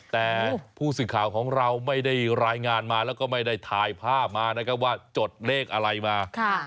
แต่ผู้สื่อข่าวของเราไม่ได้รายงานมาแล้วก็ไม่ได้ถ่ายภาพมานะครับว่าจดเลขอะไรมา